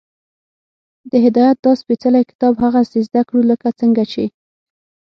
د هدایت دا سپېڅلی کتاب هغسې زده کړو، لکه څنګه چې